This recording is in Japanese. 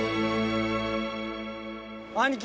兄貴